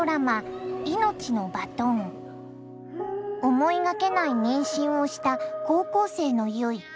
思いがけない妊娠をした高校生の結。